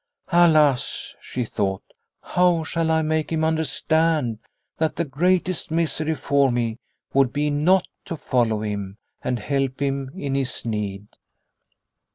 " Alas! " she thought, " how shall I make him understand that the greatest misery for me would be not to follow him and help him in his need?"